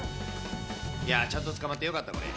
いやー、ちゃんと捕まってよかった、これ。